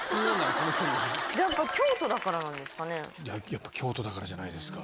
やっぱ京都だからじゃないですか。